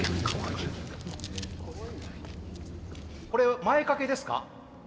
これ前掛けですか？